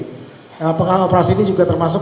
nah operasi ini juga termasuk